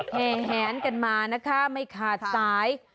แหงกันมานะคะไม่ขาดสาย